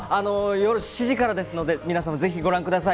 夜７時からですので皆様ぜひご覧ください。